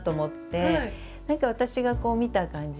何か私が見た感じ